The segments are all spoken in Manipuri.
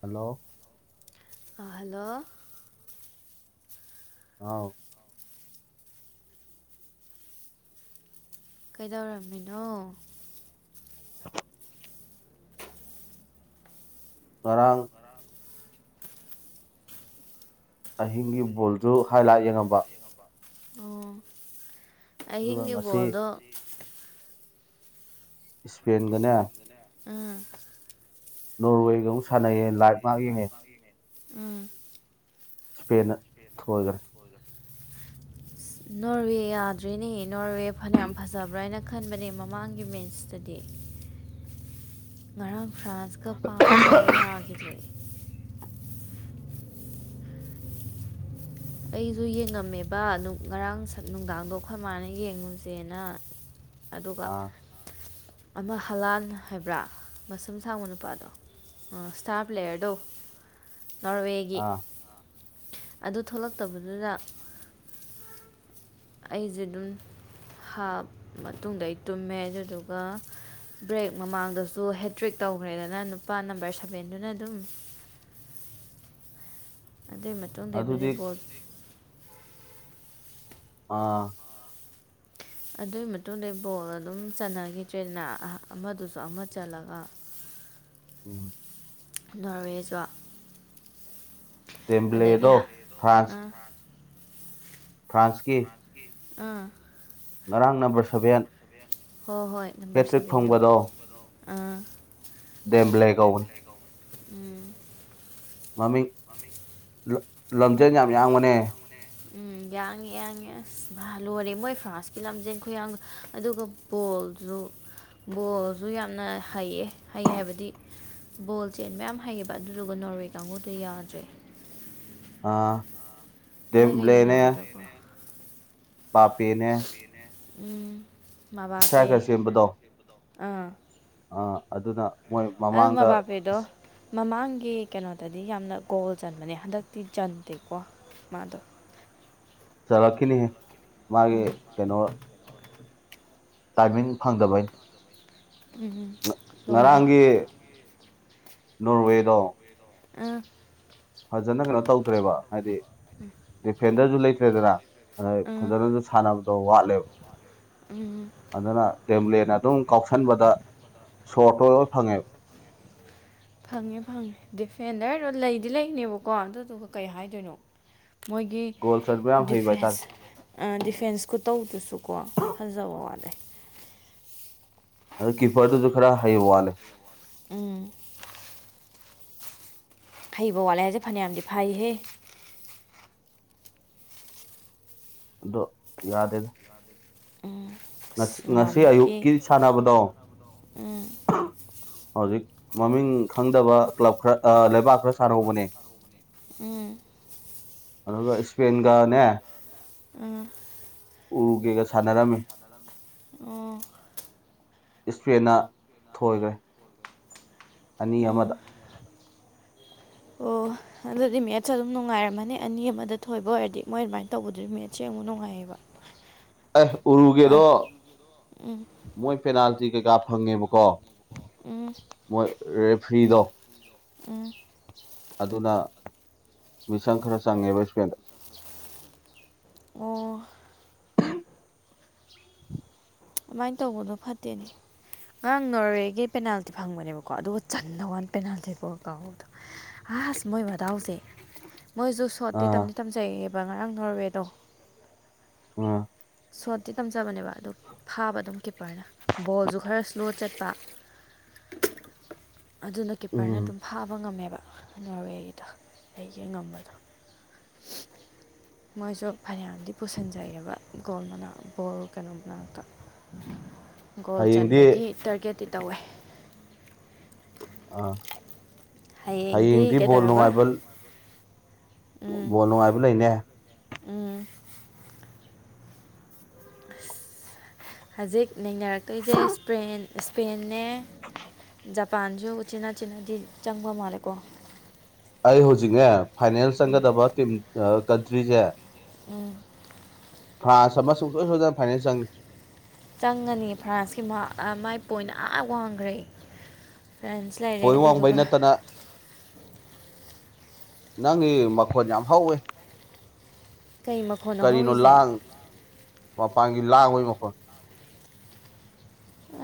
ꯍꯂꯣ ꯍꯜꯂꯣ ꯑꯥꯎ ꯀꯩꯗꯧꯔꯝꯃꯤꯅꯣ ꯉꯔꯥꯡ ꯑꯍꯤꯡꯒꯤ ꯕꯣꯜꯗꯨ ꯍꯥꯏ ꯂꯥꯏꯠ ꯌꯦꯡꯕ ꯑꯣ ꯑꯗꯨꯒ ꯑꯍꯤꯡꯒꯤ ꯉꯁꯤ ꯕꯣꯜꯗꯣ ꯏꯁꯄꯦꯟꯒꯅꯦ ꯎꯝ ꯅꯣꯔꯋꯦꯒ ꯑꯃꯣꯛ ꯁꯥꯅꯩꯌꯦ ꯂꯥꯢꯞ ꯎꯝ ꯏꯁꯄꯦꯟꯅ ꯊꯣꯢꯒ꯭ꯔꯦ [unintelligible] ꯅꯣꯔꯋꯦ ꯌꯥꯗ꯭ꯔꯤꯅꯦ ꯅꯣꯔꯋꯦ ꯐꯅꯌꯥꯝ ꯐꯖꯕ꯭ꯔꯥ ꯍꯥꯏꯅ ꯈꯟꯕꯅꯦ ꯃꯃꯥꯡꯒꯤ ꯃꯦꯠꯁꯇꯗꯤ ꯉꯔꯥꯡ ꯐ꯭ꯔꯥꯟꯁꯀ ꯄꯥꯕꯗ ꯌꯥꯈꯤꯗꯦ ꯑꯩꯁꯨ ꯌꯦꯡꯉꯝꯃꯦꯕ ꯑꯗꯨ ꯉꯔꯥꯡ ꯅꯨꯡꯗꯥꯡꯗꯣ ꯑꯩꯈꯣꯏ ꯃꯥꯅ ꯌꯦꯡꯉꯨꯁꯦꯅ ꯑꯗꯨꯒ ꯑꯥ ꯑꯃ ꯍꯂꯥꯟ ꯍꯥꯏꯕ꯭ꯔꯥ ꯃꯁꯨꯝ ꯁꯥꯡꯕ ꯅꯨꯄꯥꯗꯣ ꯁ꯭ꯇꯥ ꯄ꯭ꯂꯦꯔꯗꯣ ꯅꯣꯔꯋꯦꯒꯤ ꯑꯥ ꯑꯗꯨ ꯊꯣꯛꯂꯛꯇꯕꯗꯨꯗ ꯑꯩꯁꯦ ꯑꯗꯨꯝ ꯍꯥꯞ ꯃꯇꯨꯡꯗ ꯑꯩ ꯇꯨꯝꯃꯦ ꯑꯗꯨꯗꯨꯒ ꯕ꯭ꯔꯦꯛ ꯃꯃꯥꯡꯗꯁꯨ ꯍꯦꯇ꯭ꯔꯤꯦꯛ ꯇꯧꯈ꯭ꯔꯦꯗꯅ ꯅꯨꯄꯥ ꯅꯝꯕꯔ ꯁꯚꯦꯟꯗꯨꯅ ꯑꯗꯨꯝ [unintelligible] ꯑꯗꯨꯒꯤ ꯃꯇꯨꯡꯗꯕꯨꯗꯤ ꯑꯗꯨꯗꯤ ꯕꯣꯔꯠ ꯑꯥ ꯑꯗꯨꯒꯤ ꯃꯇꯨꯡꯗ ꯕꯣꯜ ꯑꯗꯨꯝ ꯆꯠꯟꯅꯈꯤꯗ꯭ꯔꯦꯗꯅ ꯑꯃꯗꯨꯁꯨ ꯑꯃ ꯆꯠꯂꯒ [unintelligible] ꯎꯝ ꯅꯣꯔꯋꯦꯁꯣ ꯗꯦꯝ꯭ꯂꯦꯗꯣ ꯐ꯭ꯔꯥꯟꯁ ꯐ꯭ꯔꯥꯟꯁꯀꯤ ꯑꯥ ꯉꯔꯥꯡ ꯅꯝꯕꯔ ꯁꯚꯦꯟ ꯍꯣꯏ ꯍꯣꯏ ꯅꯝꯕꯔ ꯍꯦꯇ꯭ꯔꯤꯛ ꯁꯚꯦꯟꯗꯨ ꯑꯥ ꯗꯦꯝꯕ꯭ꯂꯦꯒꯥꯎꯟ ꯎꯝ ꯃꯃꯤꯡ ꯂꯝꯖꯦꯜ ꯌꯥꯝ ꯌꯥꯝꯕꯅꯦ ꯎꯝ ꯌꯥꯡꯉ ꯌꯥꯡꯉ ꯑꯁ ꯂꯣꯏꯔꯦ ꯃꯣꯏ ꯐ꯭ꯔꯥꯟꯁꯀꯤ ꯂꯝꯖꯦꯟ ꯈꯨꯌꯥꯡ ꯑꯗꯨꯒ ꯕꯣꯜ ꯑꯗꯨꯨ ꯕꯣꯜꯁꯨ ꯌꯥꯝꯅ ꯍꯩꯌꯦ ꯍꯩ ꯍꯥꯏꯕꯗꯤ ꯕꯣꯜ ꯆꯦꯟ ꯃꯌꯥꯝ ꯍꯩꯌꯦꯕ ꯑꯗꯨꯗꯨꯒ ꯅꯣꯔꯋꯦ ꯀꯥꯡꯕꯨꯗ ꯌꯥꯗ꯭ꯔꯦ ꯑꯥ ꯃꯣꯏꯒ ꯌꯦꯡꯅꯕꯗꯀꯣ ꯄꯥꯞꯄꯦꯅꯦ ꯎꯝ ꯃꯕꯥꯄꯦ ꯏꯁꯥꯒꯥ ꯁ‌ꯦꯝꯕꯗ‌ꯣ ꯑꯥ ꯑ ꯑꯗꯨꯅ ꯃꯣꯏ ꯑꯗꯨ ꯃꯃꯥꯡꯗ ꯃꯕꯥꯄꯦꯗꯣ ꯃꯃꯥꯡꯒꯤ ꯀꯩꯅꯣꯗꯗꯤ ꯌꯥꯝꯅ ꯒꯣꯜ ꯆꯟꯕꯅꯦ ꯍꯟꯗꯛꯇꯤ ꯆꯟꯗꯦꯀꯣ ꯃꯥꯗ‌ꯣ ꯆꯜꯂꯛꯈꯤꯅꯤ ꯍ‌ꯦ ꯃꯥꯒꯤ ꯎꯝ ꯀꯩꯅꯣ ꯇꯥꯏꯃꯤꯡ ꯐꯪꯗꯕꯩꯅ‌ꯦ ꯂꯣꯔ‌ꯦ ꯍꯦ ꯅꯣꯔꯋꯦꯗ‌ꯣ ꯑꯪ ꯐꯖꯅ ꯀꯩꯅꯣ ꯇꯧꯗ꯭ꯔꯦꯕ ꯍꯥꯏꯗꯤ ꯗꯤꯐꯦꯟꯗ꯭ꯔꯁꯨ ꯂꯩꯇ꯭ꯔꯦꯗꯅ ꯑꯗꯩ ꯑꯥ ꯐꯖꯟꯅꯁꯨ ꯁꯥꯟꯅꯕꯗꯣ ꯋꯥꯠꯂꯦꯕ ꯎꯝ ꯑꯗꯨꯅ ꯗ‌ꯦꯕ꯭ꯂꯦꯟꯅ ꯑꯗꯨꯝ ꯀꯥꯎꯁꯟꯕꯗ ꯁꯣꯠꯇ‌ꯣ ꯐꯪꯉꯦ ꯐꯪꯉꯦ ꯐꯪꯉꯦ ꯗꯤꯐꯦꯟꯗꯔꯗꯣ ꯂꯩꯗꯤ ꯂꯩꯅꯦꯕꯀꯣ ꯑꯗꯨꯗꯨꯒ ꯀꯩ ꯍꯥꯏꯗꯣꯏꯅꯣ ꯃꯣꯏꯒꯤ ꯒꯣꯜ ꯆꯟꯕ ꯌꯥꯝ ꯍꯩꯕ ꯍꯥꯏꯇꯥꯔꯦ ꯗꯤꯐꯦꯟꯁ ꯗꯤꯐꯦꯟꯁ ꯈꯨ ꯇꯧꯗꯨꯁꯨꯀꯣ ꯐꯖꯕ ꯋꯥꯠꯂꯦ ꯑꯗꯨ ꯀꯤꯄ꯭ꯔꯗꯨꯁꯨ ꯈꯔ ꯍꯩꯕ ꯋꯥꯠꯂꯦ ꯎꯝ ꯍꯩꯕ ꯋꯥꯠꯂꯦ ꯍꯥꯏꯁꯦ ꯐꯅꯌꯥꯝꯗꯤ ꯐꯥꯏꯍꯦ ꯑꯗꯣ ꯌꯥꯗꯦꯗ ꯎꯝ ꯑꯁ ꯉꯁꯤ ꯅꯍꯥꯟꯃꯨꯛꯀꯤ ꯑꯌꯨꯛꯀꯤ ꯁꯥꯟꯅꯕꯗꯣ ꯎꯝ ꯍꯧꯖꯤꯛ ꯃꯃꯤꯡ ꯈꯪꯗꯕ ꯀ꯭ꯂꯕ ꯈꯔ ꯂꯩꯕꯥꯛ ꯈꯔ ꯁꯥꯥꯟꯅꯍꯧꯕꯅꯦ ꯎꯝ ꯑꯗꯨꯒ ꯏꯁꯄꯦꯟꯒꯅꯦ ꯎꯝ ꯎꯔꯨꯒꯨꯌ‌ꯦꯒ ꯁꯅꯔꯥꯝꯃ‌ꯦ ꯑꯣ ꯏꯁꯄꯦꯟꯅ ꯊꯣꯏꯒ꯭ꯔꯦ ꯑꯅꯤ ꯎꯝ ꯑꯃꯗ [inaudible] ꯑꯣ ꯑꯗꯨꯗꯤ ꯃꯦꯠꯁ ꯑꯗꯨꯝ ꯅꯨꯡꯉꯥꯏꯔꯝꯃꯅꯤ ꯑꯅꯤ ꯑꯃꯗ ꯊꯣꯏꯕ ꯑꯣꯏꯔꯗꯤ ꯃꯣꯏ ꯑꯗꯨꯃꯥꯏꯅ ꯇꯧꯕꯗꯨꯗꯤ ꯃꯦꯠꯁ ꯌ‌ꯦꯡꯕ ꯅꯨꯡꯉꯥꯏꯌꯦꯕ ꯑꯦ ꯎꯔꯨꯒꯦꯗꯣ ꯎꯝ ꯃꯣꯏ ꯄꯦꯅꯥꯜꯇꯤ ꯀꯩꯀꯥ ꯐꯪꯉꯦꯕꯀꯣ ꯎꯝ ꯃꯣꯏ ꯔꯦꯐ꯭ꯔꯤꯗꯣ ꯎꯝ ꯑꯗꯨꯅ ꯃꯤꯆꯪ ꯈꯔ ꯆꯪꯉꯦꯕ ꯏꯁꯄꯦꯟꯗ ꯑꯣ ꯑꯗꯨꯃꯥꯏꯅ ꯇꯧꯕꯗꯣ ꯐꯠꯇꯦꯅꯦ ꯑꯉꯥꯡ ꯅꯣꯔꯋꯦꯒꯤ ꯄꯦꯅꯥꯜꯇꯤ ꯐꯪꯕꯅꯦꯕꯀꯣ ꯑꯗꯨꯒ ꯆꯟꯗꯕ ꯋꯥꯅ‌ꯦ ꯄꯦꯅꯥꯜꯇꯤ ꯐꯥꯎ ꯀꯥꯎꯍꯧꯗ ꯑꯁ ꯃꯣꯏ ꯃꯗꯥꯥꯎꯁꯦ ꯃꯣꯏꯁꯨꯨ ꯁꯣꯠꯇꯤ ꯑꯥ ꯇꯝꯗꯤ ꯇꯝꯖꯩꯑꯦꯕ ꯉꯔꯥꯡ ꯅꯣꯔꯋꯦꯗꯣ ꯑꯥ ꯁꯣꯠꯇꯤ ꯇꯝꯖꯕꯅꯦꯕ ꯑꯗꯨ ꯐꯥꯕ ꯑꯗꯨꯝ ꯀꯤꯞꯄꯔꯅ ꯕꯣꯜꯁꯨ ꯈꯔ ꯏꯁ꯭ꯂꯣ ꯆꯠꯄ [inaudible] ꯑꯗꯨꯅ ꯀꯤꯞꯄꯔꯅ ꯎꯝ ꯑꯗꯨꯝ ꯐꯥꯕ ꯉꯝꯃꯦꯕ ꯅꯣꯔꯋꯦꯒꯤꯗ ꯑꯩꯒꯤ ꯉꯝꯕꯗꯣ [inaudible] ꯃꯣꯏꯁꯨ ꯐꯅꯌꯥꯝꯗꯤ ꯄꯨꯁꯤꯟꯖꯩꯑꯦꯕ ꯒꯣꯜ ꯃꯅꯥꯛ ꯕꯣꯜ ꯀꯩꯅꯣ ꯃꯅꯥꯛꯇ ꯒꯣꯜ ꯍꯌꯦꯡꯗꯤ ꯆꯟꯕꯒꯤ ꯇꯥꯔꯒꯦꯠꯇꯤ ꯇꯧꯋꯦ ꯑꯥ ꯍꯌꯦꯡꯗꯤ ꯕꯣꯜ ꯅꯨꯡꯉꯥꯏꯕꯜ ꯎꯝ ꯕꯣꯜ ꯅꯨꯡꯉꯥꯏꯕ ꯂꯩꯅꯦ ꯎꯝ ꯍꯧꯖꯤꯛ ꯅꯩꯅꯔꯛꯇꯣꯏꯁꯦ ꯏꯁꯄꯦꯟꯅꯦ ꯖꯄꯥꯟꯁꯨ ꯎꯆꯤꯟꯅꯥ ꯆꯤꯅꯥꯗꯤ ꯆꯪꯕ ꯃꯥꯜꯂꯦꯀꯣ ꯑꯩ ꯍꯧꯖꯤꯛꯅꯦ ꯐꯥꯏꯅꯦꯜ ꯆꯪꯒꯗꯕ ꯇꯤꯝ ꯀꯟꯇ꯭ꯔꯤꯁꯦ ꯎꯝ ꯐ꯭ꯔꯥꯟꯁ ꯑꯃ ꯁꯨꯡꯁꯣꯏ ꯁꯣꯏꯗꯅ ꯐꯥꯏꯅꯦꯜ ꯆꯪꯅꯤ ꯆꯪꯉꯅꯤ ꯐ꯭ꯔꯥꯟꯁꯀꯤ ꯃꯥꯏ ꯄꯣꯏꯟ ꯑꯥ ꯋꯥꯡꯈ꯭ꯔꯦ ꯐꯔꯦꯟꯁ ꯂꯩꯔꯦ ꯄꯣꯏꯟ ꯋꯥꯡꯕꯩ ꯑꯗꯨꯗꯨꯒ ꯅꯠꯇꯅ ꯅꯪꯒꯤ ꯃꯛꯈꫭꯟ ꯌꯥꯝ ꯍꯥꯎꯋ‌ꯦ ꯀꯩ ꯃꯈꯣꯟꯅ ꯍꯧꯔꯤꯁꯦ ꯂꯥꯡ ꯃꯄꯥꯟꯒꯤ ꯂꯥꯡꯕꯒꯤ ꯃꯈꯜ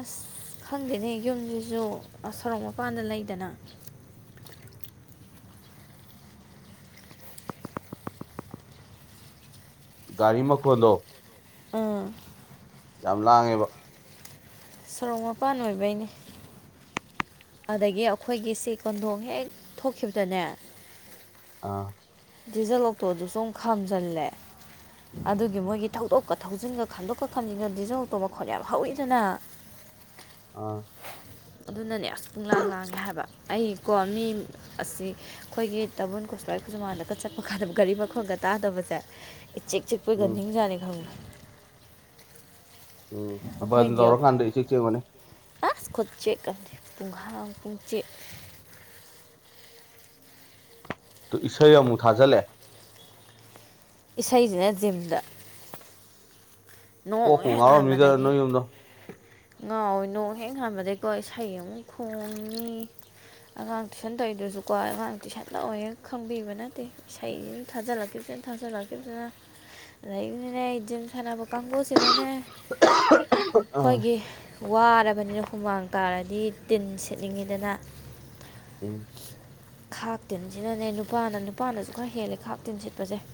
ꯑꯁ ꯈꯪꯗꯦꯅꯦ ꯌꯨꯝꯁꯤꯁꯨꯁ ꯁꯣꯔꯣꯛ ꯃꯄꯥꯟꯗ ꯂꯩꯗꯅ [inaudible] ꯒꯥꯔꯤ ꯃꯈꯣꯜꯗꯣ ꯑꯥ ꯌꯥꯝ ꯂꯥꯡꯉꯦꯕ ꯁꯣꯔꯣꯛ ꯃꯄꯥꯟ ꯑꯣꯏꯕꯩꯅꯦ ꯑꯗꯒꯤ ꯑꯩꯈꯣꯏꯒꯤꯁꯤ ꯀꯣꯟꯊꯣꯡ ꯍꯦꯛ ꯊꯣꯛꯈꯤꯕꯗꯅꯦ ꯑꯥ ꯗꯤꯖꯜ ꯑꯣꯛꯇꯣꯗꯨꯁꯨ ꯑꯃꯨ ꯈꯥꯝꯖꯜꯂꯦ ꯑꯗꯨꯒꯤ ꯃꯣꯏꯒꯤ ꯊꯧꯗꯣꯛꯀ ꯊꯧꯖꯤꯟꯒ ꯈꯟꯗꯣꯛꯀ ꯈꯟꯖꯤꯟꯒ ꯗꯤꯖꯧꯇꯣ ꯃꯈꯣꯠ ꯌꯥꯝ ꯍꯧꯔꯤꯗꯅ [inaudible] ꯑꯥ ꯑꯗꯨꯅꯅꯦ ꯑꯁ ꯄꯨꯡꯂꯥꯡ ꯂꯥꯡꯒꯦ ꯍꯥꯏꯕ ꯑꯩꯀꯣ ꯃꯤ ꯑꯁꯤ ꯑꯩꯈꯣꯏꯒꯤ ꯇꯥꯕꯜ ꯁꯨꯥꯏꯈꯁꯨ ꯃꯥꯟꯗꯀ ꯆꯠꯄ ꯀꯥꯟꯗ ꯒꯥꯔꯤ ꯃꯈ ꯈꯔꯒ ꯇꯥꯗꯕꯁꯦ ꯏ ꯆꯦꯛ ꯆꯤꯛꯄꯣꯏꯒ ꯎꯝ ꯅꯤꯡꯖꯥꯅꯤ ꯈꯪꯕꯦ ꯎꯝ ꯕꯟ ꯑꯩꯈꯣꯏꯗꯤ ꯑꯩꯈꯣꯏ ꯇꯧꯔꯀꯥꯟꯗ ꯏꯆꯤꯛ ꯆꯤꯛꯑꯝꯒꯅꯤ ꯑꯁ ꯈꯨ ꯆꯤꯛ ꯑꯝꯅꯤ ꯄꯨꯡꯍꯥꯡ ꯄꯨꯡꯆꯤꯛ ꯇꯨ ꯏꯁꯩ ꯑꯃꯨꯛ ꯊꯥꯖꯤꯜꯂꯦ ꯏꯁꯩꯁꯤꯅ ꯖꯤꯝꯗ ꯅꯣꯡ ꯀꯣꯛꯄꯨ ꯉꯥꯔꯝꯅꯤꯗ ꯅꯣꯏ ꯌꯣꯗꯣ ꯉꯥꯎꯋꯤ ꯅꯣꯡ ꯍꯦꯛ ꯉꯥꯟꯕꯗꯩꯀꯣ ꯏꯁꯩ ꯑꯃꯨꯛ ꯈꯣꯡꯉꯤ ꯑꯉꯥꯡ ꯇꯨꯏꯁꯟ ꯇꯧꯔꯤꯗꯨꯁꯨꯀꯣ ꯑꯉꯥꯡ ꯇꯨꯏꯁꯟ ꯂꯋꯦꯒ ꯈꯪꯕꯤꯕ ꯅꯠꯇꯦ ꯏꯁꯩ ꯊꯥꯖꯤꯜꯂꯛꯈꯤꯕꯁꯦꯅꯥ ꯊꯥꯖꯜꯂꯛꯈꯤꯕꯁꯤꯅ ꯑꯗꯒꯤꯅꯤꯅꯦ ꯖꯤꯝ ꯁꯥꯟꯅꯕ ꯀꯥꯡꯒꯨꯁꯤꯅꯅꯦ [inaudible] ꯑꯩꯈꯣꯏꯒꯤ ꯋꯥꯔꯕꯅꯤꯅ ꯍꯨꯃꯥꯡ ꯇꯥꯔꯗꯤ ꯇꯤꯟ ꯁꯦꯠꯅꯤꯡꯉꯤꯗꯅ ꯎꯝ ꯈꯥꯛ ꯇꯤꯟꯁꯤꯅꯅꯦ ꯅꯨꯄꯥꯅ ꯅꯨꯄꯥꯅꯁꯨ ꯈꯔ ꯍꯦꯜꯂꯦ ꯈꯥꯛ ꯇꯤꯟ ꯁꯤꯠꯄꯁꯦ [inaudible]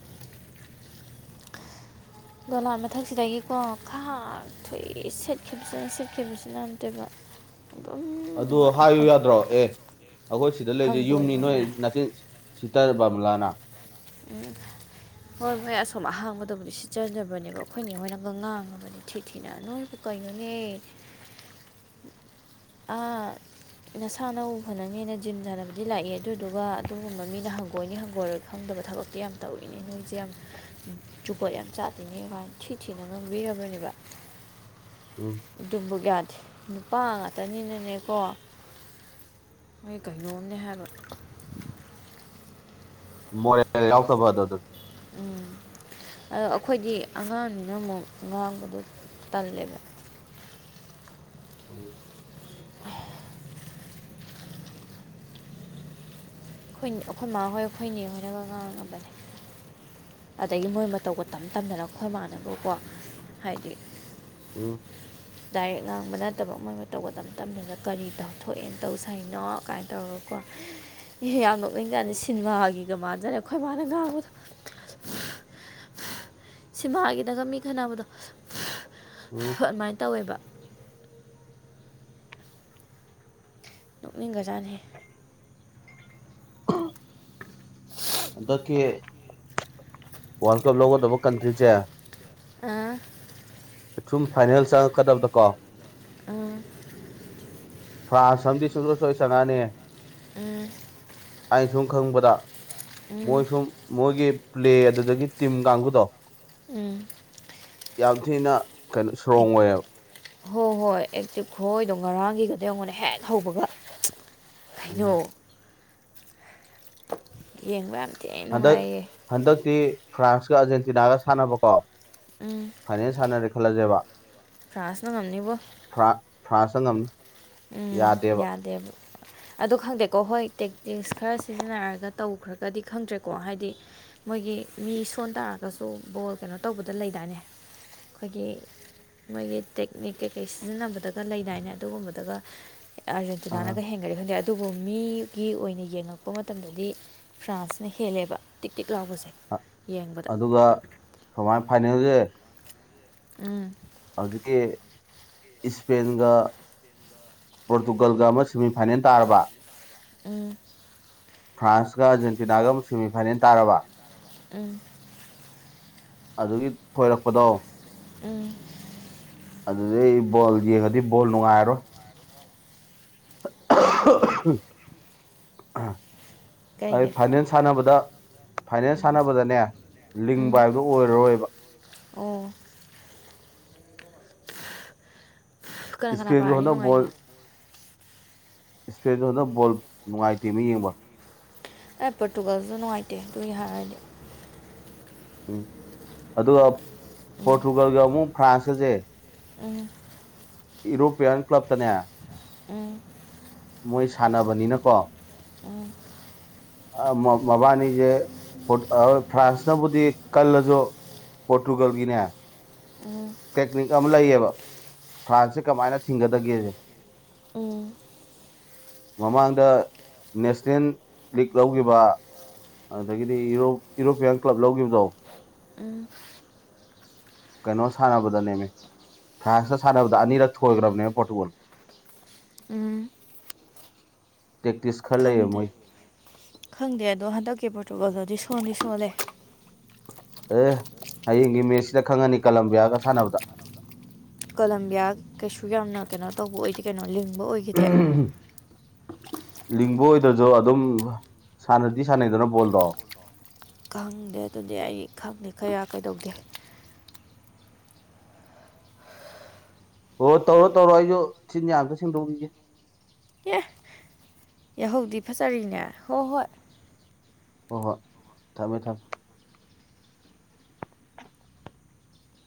ꯗꯣꯂꯥꯟ ꯃꯊꯛꯁꯤꯗꯒꯤꯀꯣ ꯈꯥꯛ ꯊꯨꯏ ꯁꯦꯠꯈꯤꯕꯁꯤꯅ ꯁꯦꯠꯈꯤꯕꯁꯤꯅ ꯑꯝꯇꫭꯏꯕ ꯑꯗꯨ ꯍꯥꯏꯌꯨ ꯌꯥꯗ꯭ꯔꯣ ꯑꯦ ꯑꯩꯈꯣꯏ ꯁꯤꯗ ꯂꯩꯔꯤꯁꯦ ꯌꯨꯝꯅꯤ ꯍꯪꯒꯣꯏꯕ ꯅꯣꯏ ꯃꯌꯥꯝ ꯅꯥꯇꯤꯟ ꯁꯤꯠꯇꯕꯥꯝꯂꯥꯅ ꯎꯝ ꯍꯣꯏ ꯃꯣꯏ ꯑꯁꯣꯝ ꯑꯍꯥꯡꯕꯗꯕꯨꯗꯤ ꯁꯤꯠꯆꯖꯕꯅꯦꯕ ꯑꯩꯈꯣꯏꯅꯤꯉꯣꯏꯅꯒ ꯉꯥꯡꯉꯕꯅꯤ ꯊꯤ ꯊꯤꯅ ꯅꫭꯏ ꯀꯣꯅꯦ ꯑꯥ ꯅꯁꯥ ꯅꯎ ꯐꯅꯉꯦꯅ ꯖꯤꯝ ꯁꯥꯟꯅꯕꯗꯤ ꯂꯥꯛꯏ ꯑꯗꯨꯗꯨꯒ ꯑꯗꯨꯒꯨꯝꯕ ꯃꯤꯅ ꯍꯪꯒꯣꯏꯅꯤ ꯍꯪꯒꯣꯏꯔꯣꯏ ꯈꯪꯗꯕ ꯊꯕꯛꯇꯤ ꯌꯥꯝ ꯇꯧꯋꯤꯅꯦ ꯅꯣꯏꯁꯦ ꯌꯥꯝ ꯖꯨꯒꫭꯠ ꯌꯥꯝ ꯆꯥꯇꯤꯅꯦ ꯀꯥꯏꯅ ꯊꯤ ꯊꯤꯅ ꯉꯝꯕꯤꯔꯕꯅꯦꯕ ꯎꯝ ꯕ [unintelligible] ꯌꯥꯗꯦ ꯅꯨꯄꯥ ꯉꯥꯛꯇꯅꯤꯅꯅꯦꯀꯣ ꯃꯣꯏ ꯀꯩꯅꯅꯣꯝꯅꯦ ꯍꯥꯏꯕ ꯃꯣꯔꯦꯜ ꯌꯥꯎꯗꯕ ꯗꯣ ꯑꯗꯨꯅꯤ ꯎꯝ ꯑꯗꯣ ꯑꯩꯈꯣꯏꯗꯤ ꯑꯉꯥꯡꯅꯤꯅ ꯃꯨꯛ ꯉꯥꯡꯕꯗꯣ ꯇꯜꯂꯦꯕ [inaudible] ꯎꯝ [inaudible] ꯑꯩꯈꯣꯏ ꯑꯩꯈꯣꯏ ꯃꯥ ꯍꯣꯏ ꯑꯩꯈꯣꯏ ꯅꯦ ꯍꯣꯏꯅꯒ ꯉꯥꯡꯉꯕꯅꯦ ꯑꯗꯒꯤ ꯃꯣꯏ ꯃꯇꯧꯒ ꯇꯝ ꯇꯝꯗꯅ ꯈꯣꯢ ꯃꯥꯟꯅꯕꯀꯣ ꯍꯥꯏꯗꯤ ꯎ ꯗꯥꯏꯔꯦꯛ ꯉꯥꯡꯕ ꯅꯠꯇꯕ ꯃꯣꯢ ꯃꯇꯧꯒ ꯇꯝ ꯇꯝꯗꯅ ꯀꯔꯤ ꯇꯧꯊꯣꯛꯑꯦꯅ ꯇꯧ ꯁꯥꯢꯅꯣ ꯀꯥꯢꯟ ꯇꯧꯔꯒ [inaudible] ꯏꯍꯦ ꯌꯥꯝ ꯅꯣꯛꯅꯤꯡꯖꯥꯅꯤ ꯁꯤꯅꯤꯃꯥꯒꯤꯒ ꯃꯥꯟꯖꯥꯠꯅꯦ ꯑꯩꯈꯣꯏ ꯃꯥꯅ ꯉꯥꯡꯕꯗ ꯁꯤꯃꯥꯒꯤꯗꯒ ꯃꯤ ꯈꯟꯅꯕꯗꯣ ꯎꯝ ꯑꯗꯨꯃꯥꯏ ꯇꯧꯋꯦꯕ ꯅꯣꯛꯅꯤꯡꯒ꯭ꯔ ꯖꯥꯅꯤꯍꯦ ꯍꯟꯗꯛꯀꯤ ꯋꯥꯔꯜ ꯀꯞ ꯂꯧꯒꯗꯕ ꯀꯟꯇ꯭ꯔꯤꯖꯦ ꯑ ꯑꯊꯨꯝ ꯐꯥꯏꯅꯦꯜ ꯆꯪꯉꯛꯀꯗꯕꯗ ꯀꯣ ꯑꯥ ꯐ꯭ꯔꯥꯟꯁ ꯑꯃꯗꯤ ꯁꯨꯡ ꯁꯣꯏ ꯁꯣꯢꯗ ꯆꯪꯉꯑꯅꯤ ꯑꯝ ꯑꯩꯅ ꯁꯨꯝ ꯈꯪꯕꯗ ꯃꯣꯏ ꯁꯨꯝ ꯃꯣꯏꯒꯤ ꯄ꯭ꯂꯦ ꯑꯗꯨꯗꯒꯤ ꯇꯤꯝ ꯀꯥꯡꯕꯨꯗꯣ ꯎꯝ ꯌꯥꯝ ꯊꯤꯅ ꯀꯩꯅꯣ ꯏꯁꯇ꯭ꯔꯣꯡ ꯑꯣꯏꯌꯦꯕ ꯍꯣ ꯍꯣꯏ ꯑꯦꯛꯇꯤꯞ ꯈꯨꯋꯣꯏꯗꯣ ꯉꯔꯥꯡꯒꯤꯒꯗꯣ ꯌꯦꯡꯉꯣꯅꯦ ꯍꯦꯛ ꯍꯧꯕꯒ ꯎꯝ ꯀꯩꯅꯣ ꯌꯦꯡꯕ ꯌꯥꯝ ꯊꯤꯅ ꯍꯟꯗꯛ ꯅꯨꯡꯉꯥꯏꯌꯦ ꯍꯟꯗꯛꯇꯤ ꯐ꯭ꯔꯥꯟꯁꯀ ꯑꯥꯔꯖꯦꯟꯇꯤꯅꯥꯒ ꯁꯥꯟꯅꯕꯀꯣ ꯎꯝ ꯐꯥꯏꯅꯦꯜ ꯁꯥꯟꯅꯔꯦ ꯈꯜꯂꯁꯦꯕ ꯐ꯭ꯔꯥꯟꯁꯅ ꯉꯝꯅꯤꯕꯣ ꯐ꯭ꯔꯥꯟ ꯐ꯭ꯔꯥꯟꯁꯅ ꯉꯝꯅꯤ ꯎꯝ ꯌꯥꯗꯦꯕ ꯑꯗꯨ ꯈꯪꯗꯦꯀꯣ ꯍꯣꯏ ꯇꯦꯛꯇꯤꯛꯁ ꯈꯔ ꯁꯤꯖꯤꯟꯅꯔꯒ ꯇꯧꯈ꯭ꯔꯒꯗꯤ ꯈꯪꯗ꯭ꯔꯦꯀꯣ ꯍꯥꯏꯗꯤ ꯃꯣꯏꯒꯤ ꯃꯤ ꯁꯣꯟ ꯇꯥꯔꯒꯁꯨ ꯕꯣꯜ ꯀꯩꯅꯣ ꯇꯧꯕꯗ ꯂꯩꯗꯥꯢꯅꯦ ꯈꯣꯏꯒꯤ ꯃꯣꯏꯒꯤ ꯇꯦꯛꯅꯤꯛ ꯀꯩꯀꯩ ꯁꯤꯖꯤꯟꯅꯕꯗꯒ ꯂꯩꯗꯥꯏꯅꯦ ꯑꯗꯨꯒꯨꯝꯕ ꯑꯗꯨꯒ ꯑꯥ, ꯑꯥꯔꯖꯦꯟꯇꯤꯅꯥꯅꯒ ꯍꯦꯟꯒ꯭ꯔꯗꯤ ꯈꯪꯗꯦ ꯑꯗꯨꯕꯨ ꯃꯤꯒꯤ ꯑꯣꯏꯅ ꯌꯦꯡꯉꯛꯄ ꯃꯇꯝꯗꯗꯤ ꯐ꯭ꯔꯥꯟꯁꯅ ꯍꯦꯜꯂꯦꯕ ꯇꯤꯛ ꯇꯤꯛ ꯂꯥꯎꯕꯁꯦ ꯑ- ꯌꯦꯡꯕꯗ ꯑꯗꯨꯒ ꯁꯨꯃꯥꯏ ꯐꯥꯏꯅꯦꯜꯁꯦ ꯎꯝ ꯍꯧꯖꯤꯛꯀꯤ ꯏꯁꯄꯦꯟꯒ ꯄꯣꯔꯇꯨꯒꯜꯒ ꯑꯃ ꯁꯦꯃꯤꯐꯥꯏꯅꯦꯟ ꯇꯥꯔꯕ ꯎꯝ ꯐ꯭ꯔꯥꯟꯁꯀ ꯑꯥꯔꯖꯦꯟꯇꯤꯅꯥꯒ ꯑꯃ ꯁꯦꯃꯤꯐꯥꯏꯅꯦꯟ ꯇꯥꯔꯕ ꯎꯝ ꯑꯗꯨꯗꯒꯤ ꯊꯣꯏꯔꯛꯄꯗꯣ ꯎꯝ ꯑꯗꯨꯗꯩꯗꯤ ꯕꯣꯜ ꯌꯦꯡꯉꯗꯤ ꯕꯣꯜ ꯅꯨꯡꯉꯥꯢꯔꯔꯣꯢ ꯀꯩꯒꯤ ꯑꯩ ꯀꯩꯒꯤ ꯐꯥꯏꯅꯦꯟ ꯁꯥꯟꯅꯕꯗ ꯐꯥꯏꯅꯦꯜ ꯁꯥꯟꯅꯕꯗꯅꯦ ꯎꯝ ꯂꯤꯡꯕ ꯍꯥꯏꯕꯗꯨꯣ ꯑꯣꯏꯔꯔꯣꯏꯕ ꯑꯣ ꯀꯅꯥ ꯀꯅꯥ ꯏꯁꯄꯦꯟꯁꯨ ꯄꯥꯔꯗꯤ ꯍꯟꯗꯛ ꯅꯨꯡꯉꯥꯏꯇꯦ ꯕꯣꯜ ꯏꯁꯄꯦꯟꯗꯨ ꯍꯗꯛ ꯕꯣꯜ ꯅꯨꯡꯉꯥꯏꯇꯦꯃꯤ ꯌꯦꯡꯕ ꯑꯦ ꯄꯣꯔꯇꯨꯒꯥꯜꯁꯨ ꯅꯨꯡꯉꯥꯏꯇꯦ ꯑꯗꯨꯒꯤ ꯍꯥꯏꯔꯗꯤ ꯎꯝ ꯑꯗꯨꯒ ꯄꯣꯔꯇꯨꯒꯜꯒ ꯑꯃꯨꯛ ꯐ꯭ꯔꯥꯟꯁꯀꯁꯦ ꯎꯝ ꯑꯦꯌꯨꯔꯣꯞꯄꯤꯌꯟ ꯀ꯭ꯂꯕꯇꯅꯦ ꯎꯝ ꯃꯣꯏ ꯁꯥꯟꯅꯕꯅꯤꯅꯀꯣ ꯎꯝ ꯃꯕꯥꯅꯤꯁꯦ ꯐ꯭ꯔꯥꯟꯁꯅꯕꯨꯗꯤ ꯀꯜꯂꯁꯨ ꯄꯣꯔꯇꯨꯒꯜꯒꯤꯅ ꯎꯝ ꯇꯦꯛꯅꯤꯛ ꯑꯃ ꯂꯩꯌꯦꯕ ꯐ꯭ꯔꯥꯟꯁꯁꯦ ꯀꯃꯥꯏꯅ ꯊꯤꯡꯒꯗꯒꯦꯁꯦ ꯎꯝ ꯃꯃꯥꯡꯗ ꯅꯦꯁꯅꯦꯜ ꯂꯤꯛ ꯂꯧꯈꯤꯕ ꯑꯗꯒꯤꯗꯤ ꯌꯨꯔꯣꯄꯤꯌꯥꯟ ꯀ꯭ꯂꯕ ꯂꯧꯈꯤꯕꯗꯣ ꯎꯝ ꯀꯩꯅꯣꯁ ꯁꯥꯟꯅꯕꯗꯅꯦꯃꯦ ꯐ꯭ꯔꯥꯟꯁꯇ ꯁꯥꯟꯅꯕꯗ ꯑꯅꯤꯔꯛ ꯊꯣꯏꯈ꯭ꯔꯕꯅꯦꯕ ꯄꯣꯔꯇꯨꯒꯜ ꯎꯝ ꯇꯦꯛꯇꯤꯁ ꯈꯔ ꯂꯩꯌꯦꯕ ꯈꯪꯗꯦ ꯃꯣꯏ ꯈꯪꯗꯦ ꯑꯗꯣ ꯍꯟꯗꯛꯀꯤ ꯄꯣꯔꯇꯨꯒꯜꯗꯗꯤ ꯊꯣꯅꯤ ꯁꯣꯜꯂꯤ ꯑꯦ ꯍꯌꯦꯡꯒꯤ ꯃꯦꯠꯁꯤꯗ ꯈꯪꯉꯅꯤ ꯀꯂꯝꯕꯤꯌꯥꯒ ꯁꯥꯟꯅꯕꯗ ꯀꯂꯝꯕꯤꯌꯥ ꯀꯩꯁꯨ ꯌꯥꯝꯅ ꯀꯩꯅꯣ ꯇꯧꯕ ꯑꯣꯏꯗꯦ ꯀꯩꯅꯣ ꯂꯤꯡꯕ ꯑꯣꯏꯈꯤꯗꯦ ꯂꯤꯡꯕ ꯑꯣꯏꯗ꯭ꯔꯁꯨ ꯑꯗꯨꯝ ꯁꯥꯟꯅꯗꯤ ꯁꯥꯟꯅꯩꯗꯅ ꯕꯣꯜꯗꯣ ꯈꯪꯗꯦ ꯑꯗꯨꯗꯤ ꯑꯩ ꯈꯪꯗꯦ ꯈꯌꯥ ꯀꯩꯗꯧꯗꯦ ꯍꯣꯏ ꯇꯧꯔꯣ ꯇꯧꯔꯣ ꯑꯩꯁꯨ ꯆꯤꯟꯌꯥ ꯑꯝꯇ ꯁꯦꯡꯗꯣꯛꯎꯒꯤꯒꯦ ꯑꯦ ꯌꯥꯍꯧꯗꯤ ꯐꯖꯔꯤꯅꯦ ꯍꯣꯏ ꯍꯣꯏ ꯍꯣꯏ ꯍꯣꯏ ꯊꯝꯃꯦ ꯊꯝꯃꯦ